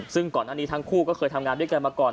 ซึ่งก่อนหน้านี้ทั้งคู่ก็เคยทำงานด้วยกันมาก่อน